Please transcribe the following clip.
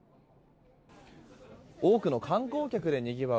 多くの観光客でにぎわう